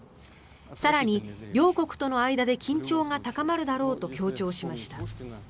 更に、両国との間で緊張が高まるだろうと強調しました。